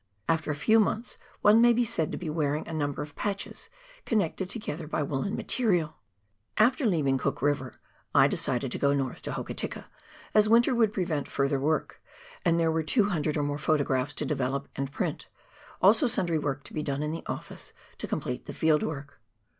After a few months one may be said to be wearing a number of patches connected together by woollen material ! After leaving Cook River I decided to go north to Hokitika as winter would prevent further work, and there were two hundred or more photographs to develop and print, also sundry work to be done in the office to complete the field work.